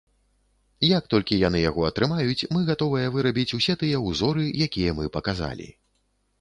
Як толькі яны яго атрымаюць, мы гатовыя вырабіць усе тыя ўзоры, якія мы паказалі.